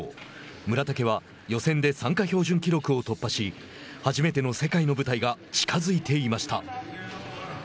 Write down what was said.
村竹は予選で参加標準記録を突破し初めての世界の舞台が近づいていました。